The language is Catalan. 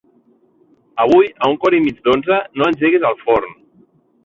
Avui a un quart i mig d'onze no engeguis el forn.